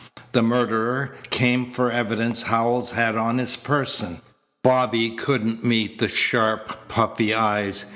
The murderer came for evidence Howells had on his person." Bobby couldn't meet the sharp, puffy eyes.